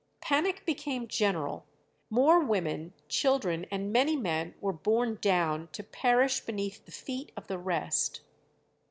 Panic became general. More women, children, and many men were borne down, to perish beneath the feet of the rest.